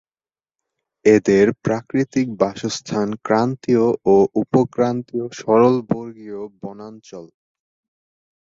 এদের প্রাকৃতিক বাসস্থান ক্রান্তীয় ও উপক্রান্তীয় সরলবর্গীয় বনাঞ্চল।